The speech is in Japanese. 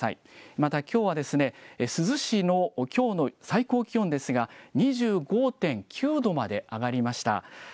また、きょうは珠洲市のきょうの最高気温ですが、２５．９度まで上がりました。